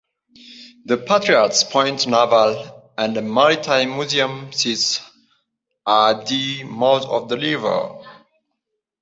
The Patriot's Point naval and maritime museum sits at the mouth of the river.